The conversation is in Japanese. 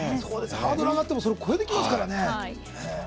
ハードル上がってもそれ、超えてきますから。